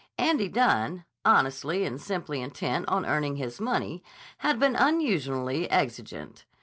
Andy Dunne, honestly and simply intent on earning his money, had been unusually exigent.